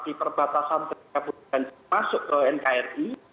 di perbatasan ketika buru migran masuk ke nkri